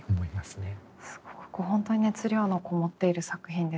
すごく本当に熱量のこもっている作品ですよね。